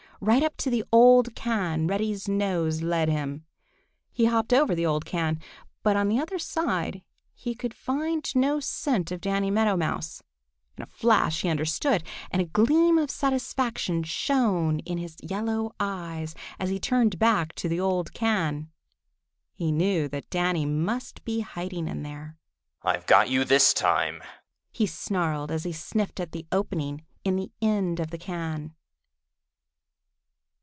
Right up to the old can Reddy's nose led him. He hopped over the old can, but on the other side he could find no scent of Danny Meadow Mouse. In a flash he understood, and a gleam of satisfaction shone in his yellow eyes as he turned back to the old can. He knew that Danny must be hiding in there. "I've got you this time!" he snarled, as he sniffed at the opening in the end of the can.